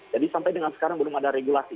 jadi sampai dengan sekarang belum ada regulasi